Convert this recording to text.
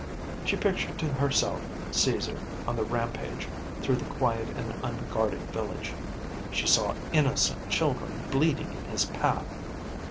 She pictured to herself Caesar on the rampage through the quiet and unguarded village. She saw innocent children bleeding in his path.